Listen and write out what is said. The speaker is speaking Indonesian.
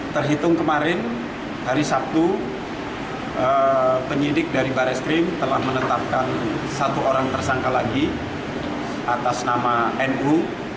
terhitung kemarin hari sabtu penyidik dari barreskrim telah menetapkan satu orang tersangka lagi atas nama nu